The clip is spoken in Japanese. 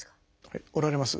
おられます。